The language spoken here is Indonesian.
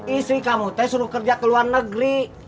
istri kamu saya suruh kerja ke luar negeri